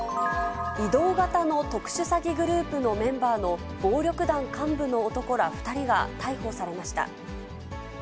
移動型の特殊詐欺グループのメンバーの暴力団幹部の男ら２人が逮捕されました。